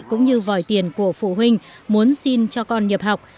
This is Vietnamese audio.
cũng như vòi tiền của phụ huynh muốn xin cho con nhập học